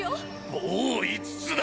もう五つだ！